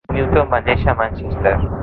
Newton va néixer a Manchester.